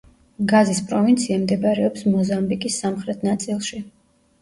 გაზის პროვინცია მდებარეობს მოზამბიკის სამხრეთ ნაწილში.